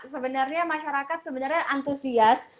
sebenarnya masyarakat sebenarnya antusias